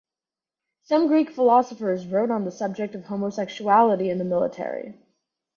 Some Greek philosophers wrote on the subject of homosexuality in the military.